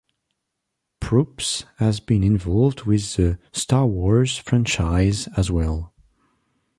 Proops has been involved with the "Star Wars" franchise as well.